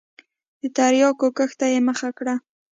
د تریاکو کښت ته یې مخه کړه.